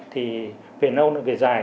thì về nâu về dài